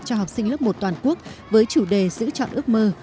cho học sinh lớp một toàn quốc với chủ đề giữ chọn ước mơ